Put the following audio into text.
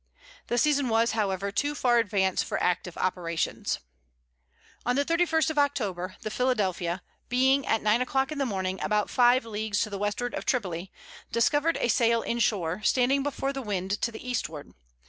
The season was, however, too far advanced for active operations. On the 31st of October, the Philadelphia, being, at nine o'clock in the morning, about five leagues to the westward of Tripoli, discovered a sail in shore, standing before the wind to the eastward.